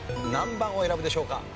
何番を選ぶでしょうか？